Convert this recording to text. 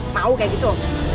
mau kayak gitu